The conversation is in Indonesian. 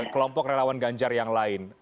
kelompok relawan ganjar yang lain